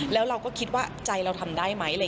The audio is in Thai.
แล้วเราก็คิดว่าใจเราทำได้ไหม